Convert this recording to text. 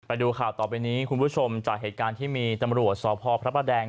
ไปดูข่าวต่อไปนี้คุณผู้ชมจากเหตุการณ์ที่มีตำรวจสพพระประแดง